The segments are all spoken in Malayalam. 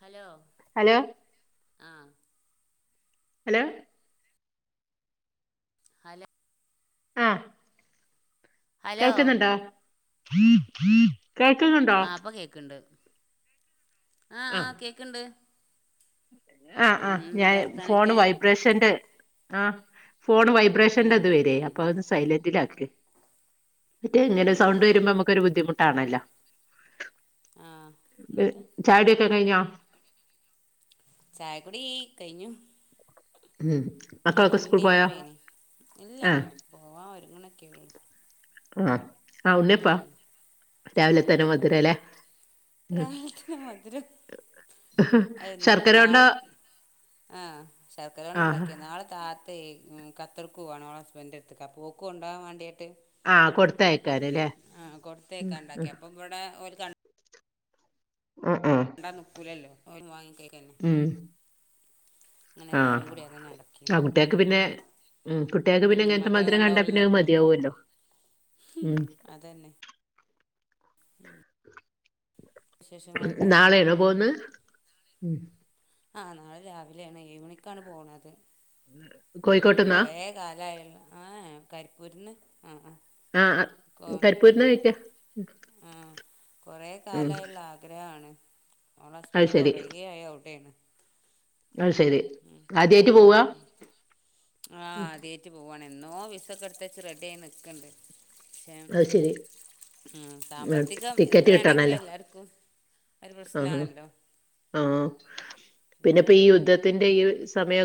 ഹലോ ഹലോ ആഹ് ഹലോ ഹലെ ആഹ് ഹലോ കേക്കുന്നുണ്ടോ കേൾക്കുന്നു ആ പ്പൊ കേക്ക്ണ്ട് ആഹ് ആഹ് കേക്ണ്ട് ആഹ് ആഹ് ഞാ ഫോൺ വർത്താനൊക്കെ വയ് ബ്രഷന്റെ ആഹ് ഫോണ് ആ വൈബ്രേഷന്റെ ഇത് വരെ ഉം അപ്പൊ ഉം അതൊന്ന് സൈലന്റിലക്ക് മറ്റേ ഉം ഇങ്ങനെ സൗണ്ട് വരുമ്പോ നമുക്കൊരു ബുദ്ധിമുട്ടാണല്ലോ ആ എന്നിട്ട് ചായോട്യൊക്കെ കഴിഞ്ഞോ ചായകുടി കഴിഞ്ഞു ഉം ഇന്ന് മക്കളൊക്കെ സ്കൂൾ പോയോ ഉണ്ണിയപ്പേനെ ഇല്ല ആഹ് പോവാ ഒരുങ്ങണൊക്കെ ഉള്ളൂ ആഹ് ആ ഉം ഉണ്ണ്യപ്പാ ഉം രാവിലെ തന്നെ മധുര ലേ. രാവിലെ തന്നെ മധരോ അവ് ഇന്ന് ശർക്കര കൊണ്ടോ നാളെ ആഹ് ആഹ് ശർക്കരോണ്ട്ണ്ടാക്ക്യ നാളെ. താത്തേ ഉം കത്തർക്കോവാണ് ഓളെ ഹസ്ബൻഡന്റെട്ത്ത്ക് അപ്പോക് കൊണ്ടാവാ വാണ്ട്യാട്ട്. ആഹ് കൊട്ത്തയ്ക്കാനലേ ഉം കൊടുത്തേക്കാണ്ടാക്കി ഉം. അപ്പം ഇവിടെ ഒരു കണ് അ ആഹ്. ണ്ടാ ന്ക്കൂലല്ലോ ഓൽ വാങ്ങി കയ്ക്കന്നെ ഉം. ആഹ് എല്ലാരും കൂടി അതന്നെ ആ നടക്കിന്ന് കുട്ടികക്ക് പിന്നെ ഉം കുട്ട്യാക്ക് പിന്നെ ഉം ഇങ്ങൻത്തെ അത് മധുരം കണ്ടാ ഓല് പിന്നെ അവ് നിക്കൂലല്ലോ മത്യാവൊല്ലോ ഉം. അതന്നെ ഉം നാളെയണോ പോവുന്നെ ആഹ് നാളെ രാവിലെണ് ഏയ് മണിക്കാണ് പോണത്. [inaudible] കൊറേ കാലായുള്ള ആഹ് ഏഹ് കരിപ്പൂര്ന്ന് ആഹ് ആഹ്. ആഹ കരിപ്പൂരിന കഴ്കാ ആഹ് കൊറേ കാലായിള്ള ആഗ്രഹാണ്. ഓളെ അത് ഹസ്ബൻഡറ് ശരി കുറെേ ആയി ഔടെ ആണ് അയ് സരി. ഉം ഉം ഉം. ആഹ് അത്യേറ്റ് പോവാണ് എന്നോ വിസക്കെട്ത്തച്ച് റെഡ്യായി ന്ന്ക്ക്ണ്ട്. പക്ഷെ അത് ശരി ഉം സാമ്പത്തികം എത്രയാണെങ്കിലും എല്ലാർക്കും ആഹ ആഹ പിന്നെ പിന്നെപ്പൊ ഈ യുദ്ധത്തിന്റെ ഈ സമയോ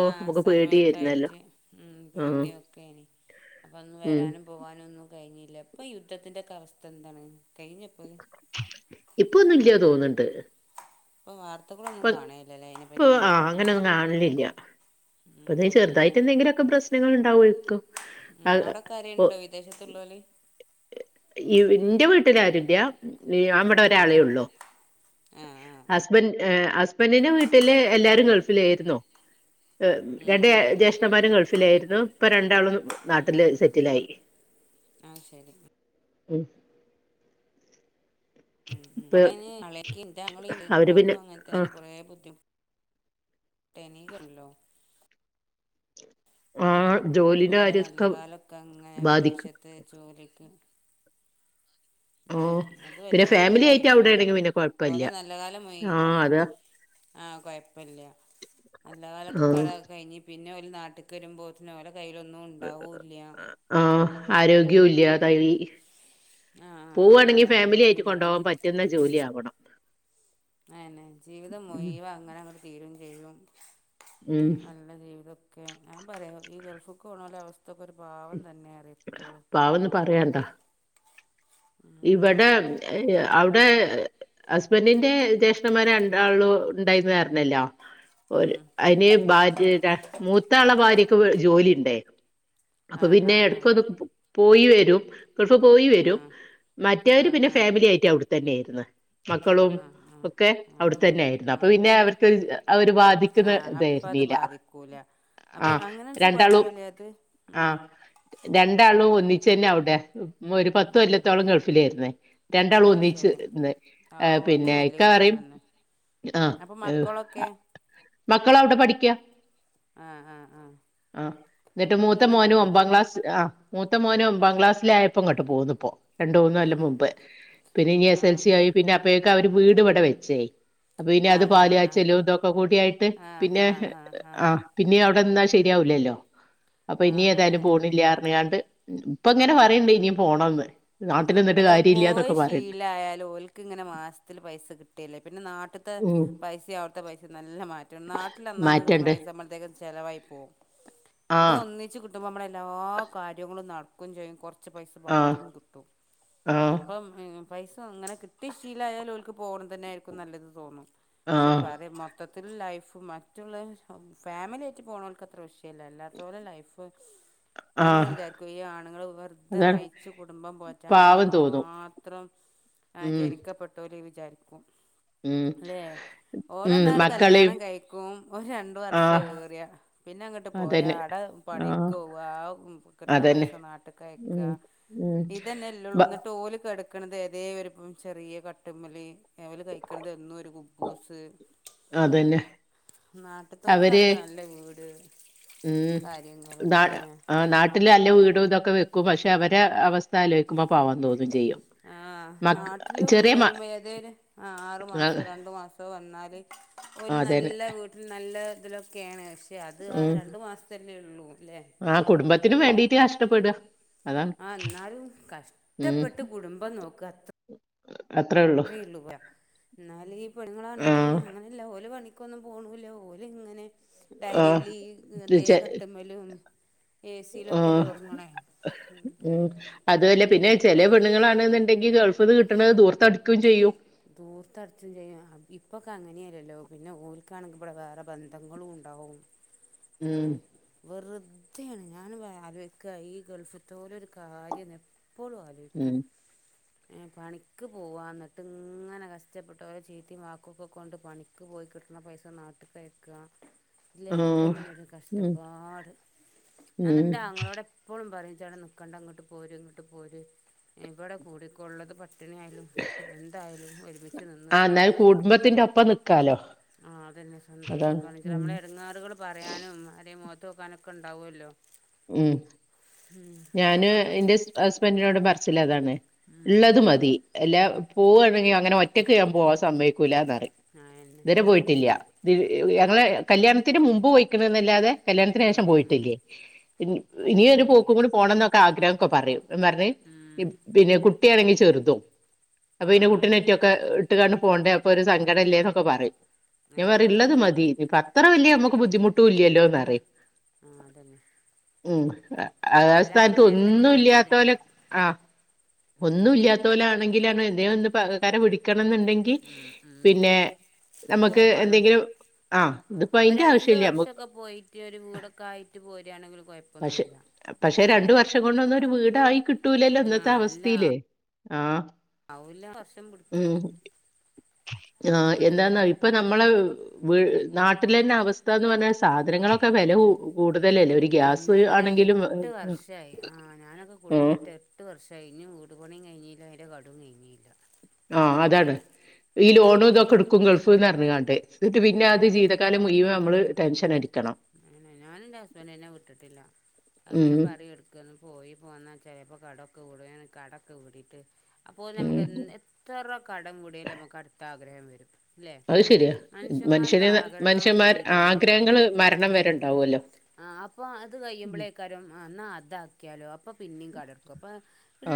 ആഹ സമയമൊക്കെ ആയിട്ട് ഉ ആ പേടിയൊക്കെനി അപ്പ ഒന്ന് ഉം വരാനും പോകാനൊന്നും കഴിഞ്ഞില ഇപ്പം യുദ്ധത്തിൻ്റെയ ഒക്കെ അവസ്ഥ എന്താണ് കഴിഞ്ഞപ്പോ ഇപ്പൊന്നും ഇല്ലയോ തോന്നിണ്ട് ഇപ്പൊ വാർത്തകളൊന്നും പ്പ കാണേല്ലല്ലേ അതിനെ പ്പൊ പറ്റി ആഹ് അങ്ങനൊന്നു കാൺലില്ല. ഉം പ്പതേ ചെർതായിട്ടെന്തെങ്കിലൊക്കെ പ്രശ്നങ്ങൾ ഉണ്ടാവ്യേക്കു. ഉം ഔടെക്കാരേലുണ്ടോ വിദേശത്തുള്ളോല്. എന്റെ വീട്ടിലരുല്ല അവിടെ ഒരാളെള്ളു ആ ആ ആ ഹസ്ബൻഡ് ഏഹ് ഹസ്ബൻഡിന്റെ വീട്ടില് എല്ലാരും ഗൾഫിലേര്ന്നു. ഉം രണ്ട് ഉം ഉം ജേഷ്ഠന്മാരും ഗൾഫിലായിരുന്നു ഇപ്പൊ രണ്ടാളും നാട്ടില് സെറ്റിലായി ആഹ ശരി ഉം. ഉ ഇപ്പ ഇവിടെ അളകിണ്ട് അവര് പിന്നെ ഓക്കും ആ അങ്ങനത്തെന് കൊറെേ ബുദ്ധിമുട്ട് [inaudible] ആ ഉം ജോലിന്റെ ഓല നല്ല കാര്യൊക്കെ കാലൊക്കങ്ങനെ ബാധിക്കും വിദേശത്ത് ജോലിക്ക്. ആ ഉം പിന്നെ അതല്ല ഓരോ ഫാമിലി ആയിട്ട് ലൈഫേ അവിടെയാണെങ്കി പിന്നെ ഓര കൊഴപ്പല്ല നല്ല കാലം ആ മുഴുവം അതാ ആഹ് കൊയ്പ്പല്ല ആ അല്ലാരക്കര. കഴിഞ്ഞഞ് പിന്നെ ഒരു നാട്ടിൽക്ക് വരുമ്പോൾത്തന പോലെ കയ്യിലൊന്നും ഉണ്ടാവൂല്ല ആ ആരോഗ്യവുംല്ല തൈ ആ പോവുവാണെങ്കിൽ അതന്നെ ഫാമിലി ആയിട്ട് ആരോഗ്യമില്ല കൊണ്ടുപോകാൻ പിന്നെ പറ്റും റ്റുന്ന ജോല്യാവണം. അന്നെ ജീവിതം ഉം മുയവ അങ്ങനെ അങ്ങെ തീരും ചെയ്യും ഉം നല്ല ജീവിതം ഞാൻ പറയാോ ഈ ഗൾഫ്ക്ക് പോണ അവസ്ഥ ഇത്തൊക്കെ ഒരു പാവം തന്നെ ര്യാ ഇപ്പോളും പാവൊന്നും ഇവടെ എ ഏ അവടെ ഹസ്ബൻറിിന്റെ ജ്യേഷ്ഠമ്മാർ രണ്ടാളും ഉണ്ടായിന്നരണല്ലോ. ഒര് ഉം അതിന് ഭാര്യ ര മൂത്ത ആള ഭാര്യക്ക് ജോലിണ്ടയ്ര്ന്ന്. ആ അപ്പൊ ആ പിന്നെ ആ എടക്കൊന്ന് പോയി വരും, ഗൾഫ് പോയി വരും. ആ ആ മറ്റവര് പിന്നെ ആ ഫാമിലിയായിട്ട് അവിടെത്തന്നെയായിരുന്നു ആഹ് മക്കളും ആഹ് ആഹ് ഒക്കെ അവിടെ ആഹ് തന്നെ ആയിരുന്നു ആഹ് അപ്പൊ ആഹ് പിന്നെ അവർക്ക് ഒരു വാ അവര് ആഹ് അപ്പം അത് വാ ബാധിക്കൂല [inaudible] അപ്പൊ ആഹ അങ്ങനെ വെച്ച രണ്ടാളും കൊഴപ്പല്ല അത് ആഹ ഉം രണ്ടാളും ഒന്നി ചെന്നെഅവടെെ ഒരു പത്തൊ ഉം ല്ലത്തോളം ഗൾഫ് പ്പിലായിന്നേ രണ്ടാളും അത് ശരി ഒന്നച്ച്ന്ന്ർ ആ ആവു അതും പിന്നെ വലിയ ഇക്കാ പറയും. കിട്ടലന്നെ ആഹ ഉം അപ്പൊ ഏ് മക്കളൊക്കെ അ മക്കളവടെ പഠിക്ക്വ. ആഹ് ആഹ് ആഹ് ആഹ് ന്നട്ട് അതന്നെ മൂത്തമോനും നല്ലത് ഒമ്പാം ക്ലാസ് ആഹ്! മൂത്ത മോനും ബംഗക്ലാസിലയപ്പം ഇങ്ങട്ട്പോന്ന്പ്പോ രണ്ടുന്നൊല്ലം ഉം മുമ്പ്, പിന്നെ ഇ എസ് എൽ ആഹ് സ ആയി പിന്നെ അപ്പൊക്കെ അവര് വീട് ഇവിടെ വെച്ചേയ്. അപ്പൊ പിന്നെ അത് ആഹ് പാല് ആഹ് ആഹ് കാച്ചലും ആഹ് കൊക്കോകൂടിയായിട്ട്പിന്നെ, അ് ആഹ് ആഹ് ആ ആഹ് പിന്നെ അവിടെന്നാ ശരിയാവൂലല്ലോ? അപ്പൊ ഇനി ആഹ് ഏതായാലും അതന്നെ പോണില്ല്യഅറിഞിങ്ങാണ്ട് ഇപ്പ ഇങ്ങനെ പറയ്ണ്ട്ഇനിയും പോണന്ന് ഹലോ പോയി ശീലായയാലഓൽ ക്ക്ഇങ്ങനെ മാസത്തിൽ പൈസ കിട്ടില്ലേ പിന്നെ നാട്ത്തെ ഉം പൈസയും അവിടുത്തെ പൈസയും നല്ല മാറ്റ എനാട്ടിൽനന്നാന്ന് കിട്ടണ മാറ്റണ്ട് പൈസ മളത്തേക്കും ചെലവായി പോവും ഇത് ആഹ് ഒന്നിച്ച് കി കിട്ടുമ്പോൾ നമ്മളല്ലാ കാര്യങ്ങളും നടക്കുംചെയ്യും കൊറച്ച് പൈസ ബാക്കിയും കിട്ടും. ആഹ. അപ്പം പൈസ അങ്ങനെ കിട്ടി ശീലായാലു ഓൽക്ക് പോണതന്നെ ആയിരിക്കും നല്ലത് തോന്നും. സ ആഹ് പറ മൊത്തത്തിൽ ലൈഫ് മറ്റുള്ളര് ഫാമിലി ആയിട്ട് പേണോൽക്ക് അത്ര വിഷയല്ലാ അല്ലാത്തോലെ ലൈഫ്? ഞാനിങ്ങനെ ആഹ് വിചാരിക്കും ഈ ആണ്ങ്ങള് വെറ്തെ അതാണ് നയിച്ചു കുടുംബം പോ [inaudible] വണ്ടി പാവം തോന്നും മാത്രം ഉം അജനിക്കപ്പെട്ട ല് വിചാരിക്കും. ഉം ലേ.. ഉം മക്കളെയും ഓലോന്നണ്ട്കല്യാണം കഴിക്കും ഒരു രണ്ട് വർഷം ആഹ് ഏറിയാ പിന്നെ അങ്ങോട്ട് പോയ അതന്നെ അട ആഹ് പണിക്ക്വവാ വും അതന്നെ കിട്ണപൈസ നാട്ട് ഉം കയക്കാ. ഉം ത് ബ തന്നെല്ലേള്ളൂന്ന് ന്നട്ട് ഓല് കെടക്കണത്ഏതേ ഒരും ഒം ചെറിയ കട്ടുമ്മല് ല് കഴിക്കണത് എന്നും ഒരു കുബ്ബൂസ് അതന്നെ നാ അവര് അടുത്തർക്കാണെങ്കിൽ നല്ല വീട് കാര്യങ്ങള്ല്ലേ. നാട്ടിലല്ല വീടും ഇതൊക്കെ വെക്കും പക്ഷെ അവരെ അഅവസ്ഥ ആലോചിക്കുമ്പോപാവം തോന്നും ചെയ്യും. ആഹ മക് നാട്ടില് ചെറിയ മ വരുമ്പോ ഏതേിലും ആഹ ആറു ആ, മാസം രണ്ടു മാസോ ഇപ്പോൾ വന്നാല് അതന്നെ ഓൽനല്ല വീട്ടിൽ നല്ല ഇതിലൊക്കെയാണ് പക്ഷേ അത് ആ ഉം രണ്ട് മാസം തല്ലേ ഉള്ളൂ ല്ലേ? ആ കുടുംബത്തിന് വേണ്ടീട്ട് കഷ്ടപ്പെടാ. അതാണ് ആഹ എന്നാലും ഉം കഷ്ടപ്പെട്ട് കുടുംബം നോക്ക അത്ര അത്രേ ഉള്ളു ത്രയേ ഉള്ളൂ വയഎന്നാല്ഈ പെണ്ണുങ്ങളാആണെങ്കില് ആഹ് ഇങ്ങ ഇല്ലഓല് പണിക്കൊന്നും പോണൂലഓല് ഇങ്ങനെ ആഹ് ഡലി അതെ കട്ട ലും. ആഹ ഉം. അത അല്ലെ പിന്നെ ചെലെ പെണ്ണുങ്ങളാണ്ണ്ണെന്നുണ്ടെങ്കിൽ ഗൾഫ്ന്ന്കിട്ടണത് ധൂർത്തടിക്കുകയും ചെയ്യും. കിട്ടണത് ദൂർത്ത്ടിക്കുകയും ചെയ്യും ദൂർത്തടിച്ച്ചെയ്യും. ഇപ്പൊക്കെ അങ്ങനെയല്ലല്ലോ പിന്നെ ഓൽക്കാണെങ്കിൽ ഇവിടെ വേറെ ബന്ധങ്ങളും ഉണ്ടാവും. [unintelligible] ഉം വെറുതെയാണ് ഞാനിപആലോയ്ക്കാ ഈ ഗൾഫ്ൽത്തോലെരു കാര്യം എപ്പോഴും ആലോ അയ്ക്കും. ഉം എ പണിക്ക് പോവാഎന്ന്ട്ട്ങനെ കഷ്ട്ടപ്പെട്ട് ഓരെ ചീത്തും വാകൊക്കൊ ഒക്കെ കൊണ്ട് പണി ക്ക് പോയി കെടക്ക്‌ണ പൈസ ന്നാട്ട്ക്കയക്ക ഇല്ലേ ആഹ് ഇതന്നൊരു ഉം കസ്ടപ്പാട് ഉം ഞാനന്നരെന്റെ ആങ്ങളോടെപ്പോ എപ്പോളും പറയും ഇജ്ജ വടെ ന്നിക്കണ്ട ഇങ്ങട്ട് പോര് ഇങ്ങട്ട് പോര് ഇവിടെ കൂടിക്കോള്ളത് പട്ടിണിയായി ഉം എന്തായാലും ഒരുമിച്ച് ആ നിന്ന്- എന്നാൽ കുടുംബത്തിന്റെ ഒപ്പം നിക്കാലോ ആ അതനെ സന്തോഷം അതാണ് കാണിക്കലും ഉം നമ്മളെ എടങ്ങേറുകളും പറയാനും ആരെ മോത്തോക്കാനൊക്കെ ഇണ്ടാവൊല്ലോ. ഉം ഞാന് അതൊക്കെ ഇന്റെ സ് ഹസ്ബൻഡിനോടും പർച്ചിലതാണ് ഇള്ളത് മതി അല്ല പോവാണെങ്കിൽ അ അങ്ങനെ ഒറ്റക്ക് ഞാൻ പോവാൻ സമ്മയ്ക്കൂലാന്നറയും ആയെന്നെ ഇത് വരെ പോയിട്ടില്ല്യ ത് യ് ഞങ്ങളെ കല്യാണത്തിന് മുമ്പ് പോയിക്ക്ണ്ന്നല്ലാതെ ഉം കല്യാണത്തിനേഷം ഉം ഉം പോയിട്ടില്ലേ. ഇനി അതന്നെ ഇനിയൊരു പോക്കും നല്ലത് കൂടി പോണംന്നൊക്കെ ആഗ്രഹൊക്കെ പറയും ന്ന് പറഞ്ഞ് ഇ ഉം പിനെ കുട്ട്യേണെങ്കി ചെർതും അപ്പൊ പിനെ ആഹ് കുട്ടിനെയ് കെ ഇട്ട് കാണ്ട് പോണ്ടേ അപ്പൊ ഒരു സങ്കടം അല്ലേന്നൊക്കെ പറയും പിന്നെ ആഹ് പറയും ഇള്ളത് അതന്നെ മതീ ഇപ്പത്ര വല്യ നമുക്ക് ബുദ്ധിമുട്ടുല്ലല്ലോന്നറയും ആ അതനെ. ഉം അ അ സ്ഥാനത്ത് അങ്ങനെ തന്നെ നല്ലത് ഒന്നുല്ലാത്തോലോ ആ ഉം ഒന്നുല്ലാത്തോലാണെങ്കിലാണ് എന്തേലൊന്ന് പകര കാരെ വിളി ക്കണന്ന്ണ്ടെങ്കിൽ ഉം ഉം പിന്നെ നമ്മക്ക് പോവും വേണം എന്തെങ്കിലും ആ ഇതിപ്പയ്ന്റാ വശ്യല്ല നമ്മക്ക് ഇ യൊരു വീടൊക്കെ ആയ്റ്റ് പോരേണെങ്കിലും കൊയപ്പ പഷേ പഷേ രണ്ട് വർഷം കൊണ്ടൊന്നൊരു വീടായി കിട്ട് കിട്ടൂലല്ലോ ഇന്നത്തെ ആഹ് അല്ല അവസ്ഥീല് ആ ആവൂല വർഷം പിടിക്കും ഉം ആ എന്താന്നാ ഇപ്പൊ നമ്മളെ വി നാട്ടിലന്നെ അവസ്ഥാന്ന് പറഞ്ഞാൽ സാധനങ്ങളൊക്കെ വെല കു കൂടുതലല്ലേ ഒരി പിന്നെന്താ എട്ട് വർഷായി ആ ഞാനൊക്കെ ഉം കുടിയിര്ന്നിട്ടെ എട്ട് വർഷായി ഇനിം വീടു പണീം കയ്ഞ്ഞീല്ല അയ്ന്റെ കടോം കയ്ഞ്ഞീല്ല.. ആ അതാണ് ഈ ലോണും ഇതൊക്കെ ഇട്ക്കും ഗൾഫ്ന്ന് പറഞ്ഞങ്ങാണ്ട് എന്നിട്ട് പിന്നെ അത് ഉം ജീവിത കാ ക്കാലം മുയ് വമ്മള് ടെൻഷനടിക്കണം അങ്ങനെ ഞാനെന്റെ ഹസ്ബന്റിനെ വിട്ട് ട്ടില്ല അത്ങ്ങനെ ഉം പറയും എടുക്കും ക്ക്ഒന്ന് പോയി പോന്നാ ചെലപ്പൊ കടൊക്കെവീടും ഏനു കടൊക്കെ വിടീട്ട് അപ്പോ ഉം നമുക്ക് എല്ല എ- എത്ര കടം വീടിയാലും നമുക്കടുത്ത ആഗ്രഹം വരും ല്ലെ അത് ശരിയാ മൻഷ്യന്മാർക്കാഗ്രഹം തീരൊന്നില്ല. ത്‌ മരണം വരെഇണ്ടാവോല്ലോ. ആ അപ്പൊ അത് കയ്യുമ്പളേക്കാരും അ എന്നാ അതാക്ക്‌യാലോ അപ്പൊ പിന്നേം കടം എട്ക്കും അപ്പ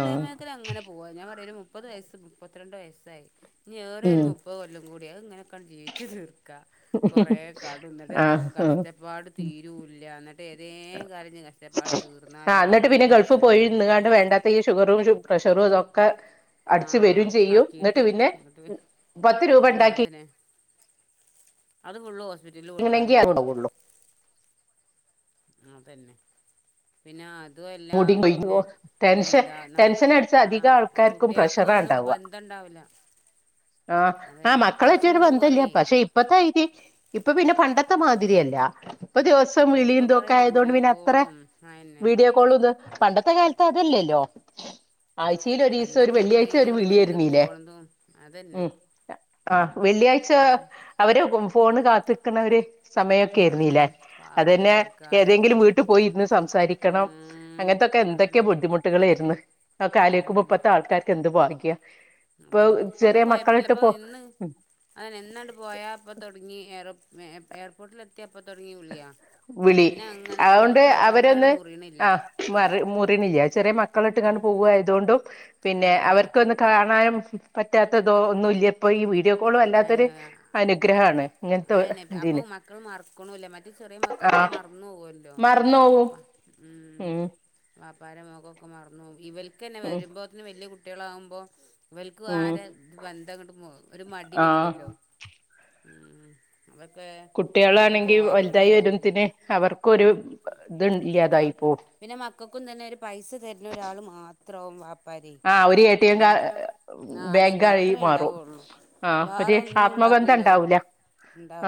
ആഹ് പോവാ ഞാൻ പറയാ ഒരു മുപ്പത് വയസ്സ് മുപ്പത്തിരണ്ട് വയസ്സായി ഇനി ഏറിയാ ഉം ഒരു മു പ്പത് കൊല്ലം കൂടിംഅത് ഇങ്ങനൊക്കങ്ങ് ജീവിച്ച് തീർക്ക കൊറെ കടും ന്നട്ട് ക ആഹ് കഷ് ആഹ് വാട് തീരൂല്ല്യ എന്ന്ട്ട് ഏതേം കരഞ് കഷ്ട്ടപ്പാട് തീർന്നാലോ അപ്പത്തേക്ക് മരിച്ച പോയിഴ്ന്ന്ങ്ങാണ്ട് വേണ്ടാത്ത ഈ ഷുഗറും ഷു പ്രഷറു തൊക്കെ ആ അടിച്ച്‌ വരും ചെയ്യൂ ആക്കിയിട്ട് എന്നിട്ട് പിന്നെ ഇങ്ങട്ട് പത്ത് രൂപ ആ ഇണ്ടാക്കി അതന്നെ അത് ഫുള്ളും ഹോസ്പിറ്റലില് കൊടുക്കാനേ ഉണ്ടാക്കിണെങ്കി ഇണ്ടാവൊള്ളൂ. അത്ണ്ടാവുള്ളു അതെനെ. പിനാ അതും അല്ല മുടി കൊഴിഞ്ഞു പിനെ ടെൻഷൻ എന്താന്നാ ടെൻഷൻ അടിച്ച ആ അധികം ആൾക്കാർക്കും കുട്ടിയ പ്രഷറാ ക്കൊന്നും ഉണ്ടാവുക ബന്ധണ്ടാവില്ല. ആ ആ മക്കളേയ്റ്റൊര് ബന്ധല്യ കുറയേ പഷേ ഇ ഇപ്പത്തെ ഐതി ഇപ്പ പിനെ പണ്ടത്തെ മാതിരിയല്ല. ഇപ്പ ദിവസോം ഇപ്പോൾ കുറേ വിളീംഇതൊക്കെആയതോണ്ട് വീഡിയോ പിനഅത്രെ കോളും അതന്നെ വീഡിയോ പ്പളു പണ്ടത്തെ കാലത്ത് അത് ല്ലല്ലോ ആഴ്ചയിലൊരീസൊരു പണ്ടൊക്കെ എപ്പോഴേ വെള്ളിയാഴ്ച ഒരു ഒന്ന് വന്ന് വിളിയായിരുന്നീല്ലേ പോണതും അതന്നെ ഉം ആ വെള്ളിയാഴ്ച അവരെ ഫോണ് കാത്ത്ക്ക്ണൊര് സമയൊക്കെര്ന്നില്ലേ ഉം പാവല്ലേ അതന്നെ ഒക്കെ ഏതെങ്കിലും ആലോചിക്കുമ്പം വീട്ടു പോയിരുന്ന് സംസാരിക്കണം. ഉം അങ്ങനത്തൊക്കെ എന്തൊക്കെ അതന്നെ ബുദ്ധിമുട്ടുകളേര്ന്ന് ആഒക്കെ ആലോയ്ക്കുമ്പോ ഇപ്പത്തെ ആൾക്കാർക്ക് എന്ത് വാഗ്യ. പ്പം പിന്നെ ചെറ്യ മക്കൾട്ട് പോ അഎന്നെ ഇന്നാണ്ട് പോയാ അപ്പ തൊടങ്ങി [unintelligible] ഏർപോട്ടിലെത്ത്യ അപ്പ തൊടങ്ങ്യ വിള്യാ വിളി പിന്നെ അങ്ങനെ അതുകൊണ്ട് അമ്മക്ക് ആബന്ധാട് അവരൊന്ന് മുറിണില്ല. ആഹ് മറി മുറിണില്ല്യ ചെറ്യാ മക്കളെട്ട് കാണ്ട് പോവായതോണ്ടും പിന്നെ അതന്നെ അവർകൊന്ന് കാണാനും പറ്റാത്തതോ ഒന്നുല്ല്യാ പ്പോൾ ഈ വീഡിയോ..... എപ്പോളും അല്ലാത്തൊരു അയന്നെ അനുഗ്രഹാണ് അയന്നെ ഇങ്ങൻത്തൊരുതി അപ്പൊ ന്. മക്കള് മർക്ക്ണൂല്ല്യ മ ഈ ചെറ്യ മക്കളൊക്കെ മർന്നോ വല്ലോ മറന്നോവും വ മ്. ഉം വാപ്പാരമോഖോ ക്കെ മറന്നുപോകും ഇവൽക്ക്ന്നെ ഉം വരുമ്പോത്തിന് വല്യ കുട്ടികളാകുമ്പോ.... ഇവൽക്ക് ഉം ആരെ ബന്ധംങ്ങട്ട് മു ഒരു മടി ആഹ് വരൊല്ലോ മ് അതൊക്കെ? അങ്ങനെ കുട്ടികളാണെങ്കിൽ വലുതായി പോവാതൊക്കെന്നെ നല്ലെ വരുന്നതിന് അവർക്കൊരു ഇത് ല്ല്യാ തായിപ്പോവും.... പിന്നെ മക്കക്കും തന്നെ ഒരു പൈസ തര്ന്ന ഒരാള് മാത്ര ഇത്രവും വാപ്പാരി ആഹ് ഒരു എ ടി എം ഉ കാ ആ അതന്നെ ബാങ്കായി അത്രേ മാറും ഉണ്ടാവഉ ള്ളൂ.... ആഹ് ഒരു വേറൊന്നും ആത്മബന്ധം ഇണ്ടാവൂലല്ലോ. ഉണ്ടാവൂല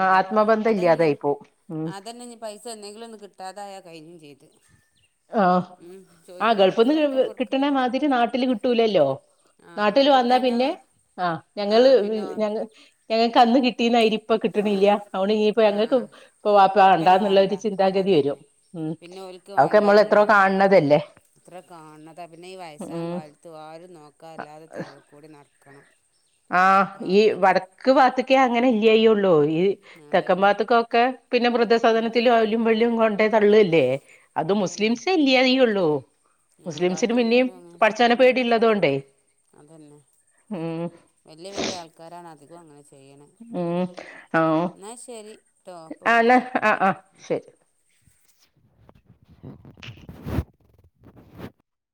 ആഹ് ആത്മബന്ധം അതെന്നെ ഇല്ലാതായി പോവും ഉം അതന്നെ പൈസ എന്തെങ്കിലും ഒന്ന് കിട്ടാതായൽ കഴിഞ്ഞും ചെയ്ത്.... ആഹ് ഉം ആ ചോദിക്കുമ്പോൾ പൈസ ഗൾഫ്ന്ന് അറ്റം കൊടുക്ക കിട്ട്ണമാതിരി നാട്ടില് കിട്ടൂലല്ലോ? ആഹ് നാട്ടില് അത് വന്നാ കിട്ടാഞ്ഞാ പിന്നെ ആ ഞങ്ങള് ആഹ് പിന്നെ ഞങ്ങ ഞങ്ങക്ക് അന്ന് കിട്ടീന്നേരി ഇപ്പ കിട്ട്ണ്ല്യ അഓട്‌ ഇനിയിപ്പോ ഞങ്ങക്ക് ആഹ് പോപ്പ വേണ്ടാ ഇപ്പന്നെ ന്നുള്ള വേണ്ട ഒരു ചിന്താഗതി വരും അതന്നെ ഉ പിന്നെ ഓൽക്ക് അതൊക്കെ വേണ്ടി നമ്മൾ എത്രോ വരൂല കാണണ തല്ലേ..... അത്ര കാണത പിന്നെ ഈ വയസ്സ കാലത്തും ആരും നോക്കാല്ലാതെ തെരുവ് കൂടി നടക്കണം..... ആഹ് ഈ പാവം തന്നെ വടക്ക് പാകത്ത്ക്കേ അങ്ങനെ ഇല്ലായി ഒള്ളൂ ഈ അതന്നെ തെക്കമ്പാത്തക്കൊക്കെ പിന്നെ വൃദ്ധസധനത്തിലും അവലും വ്‌ലും യും കൊണ്ട് തള്ളേ ല്ലേ.... അത് അതന്നെ മുസ്ലിംസെ ഇല്ല്യാ തെയു ള്ളൂ..... ആഹ് ബാക്കി മുസ്ലിംസിന് പിന്നും എല്ലാരും അങ്ങനെ പടച്ചാന ഉം പേടിള്ളതൊണ്ടേ ഉ..... വെല്യ വെല്യ ആൾക്കാരാണ് അധികും അങ്ങനെ ചെയ്യ ചെയ്ണ് മ് ഉം ആഹ് ഇന്നാ ശെരി ട്ടോ ഇപ്പോ വിൾക്യാ. ആ ആ..... ശരി...